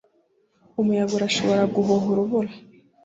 Umuyaga urashobora guhuha urubura